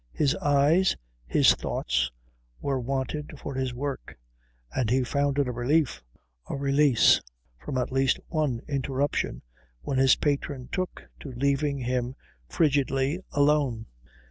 His eyes, his thoughts, were wanted for his work; and he found it a relief, a release from at least one interruption, when his patron took to leaving him frigidly alone.